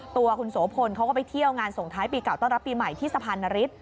ตัวคุณโสพลเขาก็ไปเที่ยวงานส่งท้ายปีเก่าต้อนรับปีใหม่ที่สะพานนฤทธิ